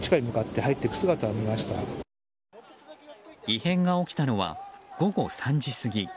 異変が起きたのは午後３時過ぎ。